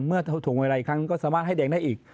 เมื่อถุงเวลาอีกครั้งก็สามารถให้แดงได้อีก